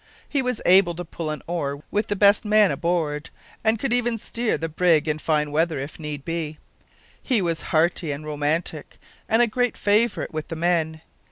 He was able to pull an oar with the best man aboard, and could even steer the brig in fine weather, if need be. He was hearty and romantic, and a great favourite with the men.